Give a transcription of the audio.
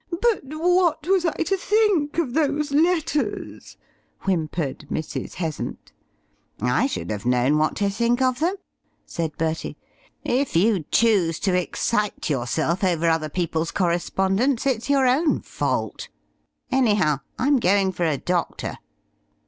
"But what was I to think of those letters?" whimpered Mrs. Heasant. "I should have known what to think of them," said Bertie; "if you choose to excite yourself over other people's correspondence it's your own fault. Anyhow, I'm going for a doctor."